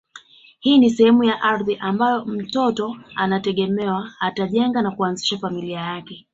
Hii ni sehemu ya ardhi ambayo mtoto anategemewa atajenga na kuanzisha familia yake